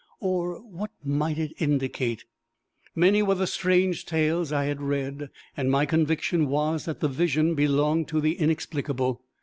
Or what might it indicate? Many were the strange tales I had read, and my conviction was that the vision belonged to the inexplicable.